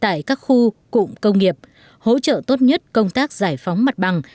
tại các khu cụm công nghiệp hỗ trợ tốt nhất công tác giải phóng mặt bằng